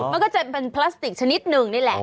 มันก็จะเป็นพลาสติกชนิดหนึ่งนี่แหละ